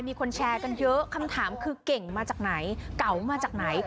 มีคนแชร์กันเยอะคำถามคือเก่งมาจากไหนเก่ามาจากไหน